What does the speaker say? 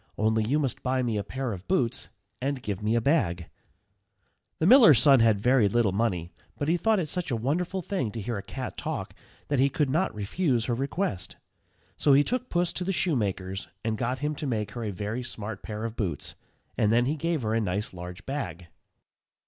Only you must buy me a pair of boots and give me a bag." [Illustration: PUSS CATCHING THE RABBITS.] The miller's son had very little money, but he thought it such a wonderful thing to hear a cat talk that he could not refuse her request. So he took Puss to the shoemaker's, and got him to make her a very smart pair of boots, and then he gave her a nice large bag.